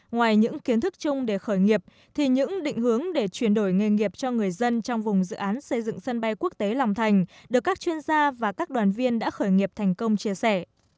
ngoài những kiến thức chung để khởi nghiệp thì những định hướng để chuyển đổi nghề nghiệp cho người dân trong vùng dự án xây dựng sân bay quốc tế long thành được các chuyên gia và các đoàn viên đã khởi nghiệp thành công chia sẻ